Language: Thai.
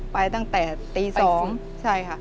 ไปตั้งแต่ตี๒ใช่ค่ะ